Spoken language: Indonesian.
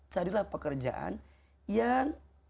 carilah pekerjaan yang